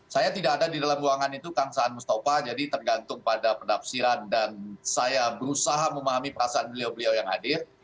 saya tidak ada di dalam ruangan itu kang saan mustafa jadi tergantung pada penafsiran dan saya berusaha memahami perasaan beliau beliau yang hadir